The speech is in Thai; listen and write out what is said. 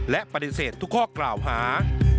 และปฏิเสธทุกข้อกล่าวหา